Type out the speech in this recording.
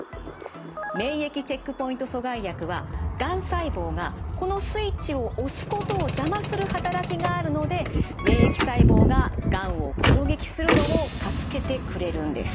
免疫チェックポイント阻害薬はがん細胞がこのスイッチを押すことを邪魔する働きがあるので免疫細胞ががんを攻撃するのを助けてくれるんです。